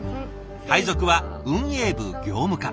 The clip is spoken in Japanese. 配属は運営部業務課。